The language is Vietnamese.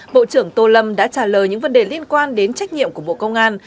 bộ trưởng tô lâm đã trả lời những vấn đề liên quan đến trách nhiệm của bộ công an